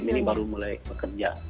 jadi tim ini baru mulai bekerja